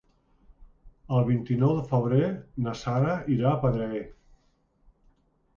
El vint-i-nou de febrer na Sara irà a Pedreguer.